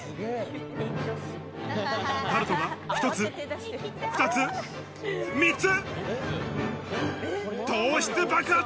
タルトが１つ、２つ、３つ！